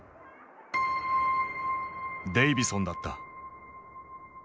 デイヴィソンだった。